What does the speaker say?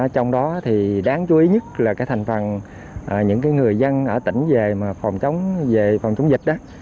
trong đó thì đáng chú ý nhất là thành phần những người dân ở tỉnh về phòng chống dịch